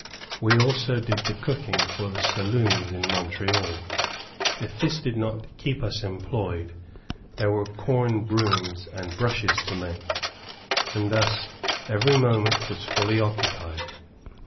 We also did the cooking for the saloons in Montreal. If this did not keep us employed, there were corn brooms and brushes to make, and thus every moment was fully occupied.